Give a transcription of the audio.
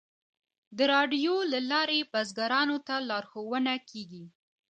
د راډیو له لارې بزګرانو ته لارښوونه کیږي.